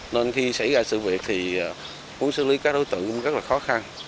nên khi xảy ra sự việc thì muốn xử lý các đối tượng cũng rất là khó khăn